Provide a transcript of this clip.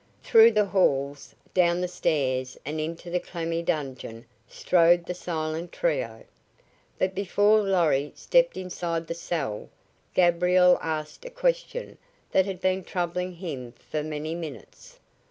Through the halls, down the stairs and into the clammy dungeon strode the silent trio. But before Lorry stepped inside the cell Gabriel asked a question that had been troubling him for many minutes.